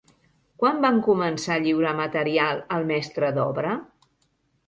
Quan van començar a lliurar material al mestre d'obra?